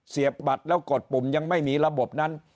บัตรแล้วกดปุ่มยังไม่มีระบบนั้น